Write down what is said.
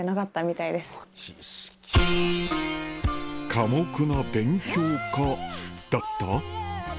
寡黙な勉強家だった？